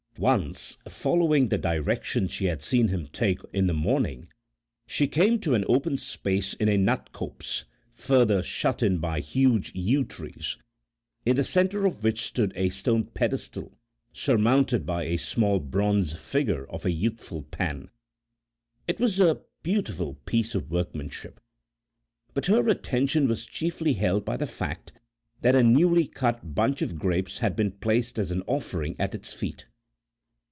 Once, following the direction she had seen him take in the morning, she came to an open space in a nut copse, further shut in by huge yew trees, in the centre of which stood a stone pedestal surmounted by a small bronze figure of a youthful Pan. It was a beautiful piece of workmanship, but her attention was chiefly held by the fact that a newly cut bunch of grapes had been placed as an offering at its feet.